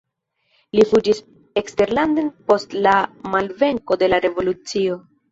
Li fuĝis eksterlanden post la malvenko de la revolucio.